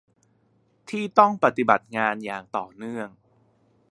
ที่ต้องปฏิบัติงานอย่างต่อเนื่อง